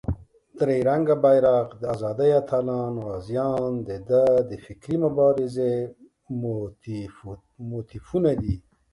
درې رنګه بېرغ، د آزادۍ اتلان، غازیان دده د فکري مبارزې موتیفونه دي.